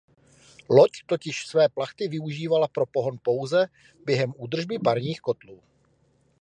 Loď totiž své plachty využívala pro pohon pouze během údržby parních kotlů.